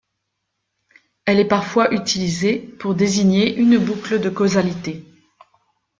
Elle est parfois utilisée pour désigner une boucle de causalité.